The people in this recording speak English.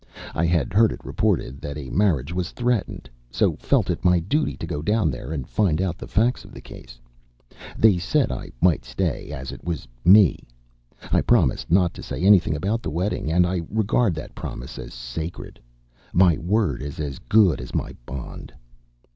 I had heard it reported that a marriage was threatened, so felt it my duty to go down there and find out the facts of the case. They said I might stay, as it was me.... I promised not to say anything about the wedding, and I regard that promise as sacred my word is as good as my bond....